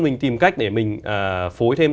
mình tìm cách để mình phối thêm